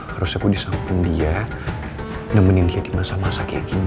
harusnya ibu disamping dia nemenin dia di masa masa kayak gini